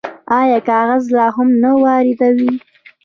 آیا کاغذ لا هم نه واردوي؟